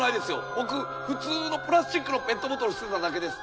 僕普通のプラスチックのペットボトル捨てただけです。